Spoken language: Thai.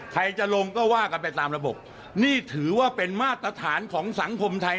ใครจะลงก็ว่ากันไปตามระบบนี่ถือว่าเป็นมาตรฐานของสังคมไทย